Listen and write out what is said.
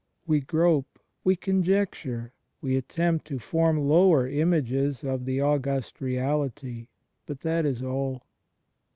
we grope, we conjecture, we attempt to form lower images of the august reality; but that is all.